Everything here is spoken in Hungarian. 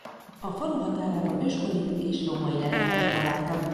A falu határában őskori és római leleteket találtak.